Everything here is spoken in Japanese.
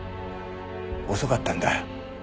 遅かったんだ。